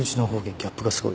ギャップがすごい。